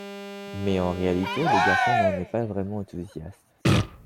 Mais en réalité, le garçon n'en est pas vraiment enthousiaste.